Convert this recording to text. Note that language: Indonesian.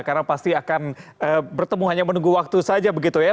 karena pasti akan bertemu hanya menunggu waktu saja begitu ya